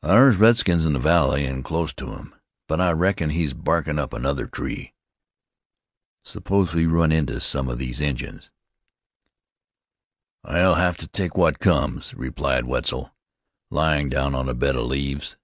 "Thar's redskins in the valley an' close to him; but I reckon he's barkin' up another tree." "Suppose we run into some of these Injuns?" "We'll hev to take what comes," replied Wetzel, lying down on a bed of leaves.